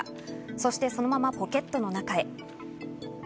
そしてそのままポケットの中へ。